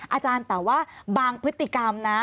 อาจารย์แต่ว่าบางพฤติกรรมนะ